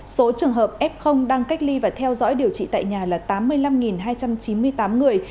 số trường hợp f đang cách ly và theo dõi điều trị tại nhà là tám mươi năm hai trăm chín mươi tám người